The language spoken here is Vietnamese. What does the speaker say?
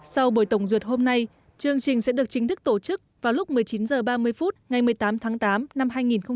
sau buổi tổng duyệt hôm nay chương trình sẽ được chính thức tổ chức vào lúc một mươi chín h ba mươi phút ngày một mươi tám tháng tám năm hai nghìn hai mươi